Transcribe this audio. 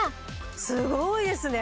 すごいですね